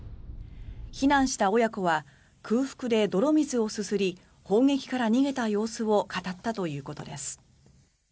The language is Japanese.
避難した親子は空腹で泥水をすすり砲撃から逃げた様子を語ったということです。